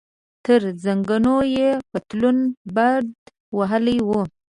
تر زنګنو یې پتلون بډ وهلی و.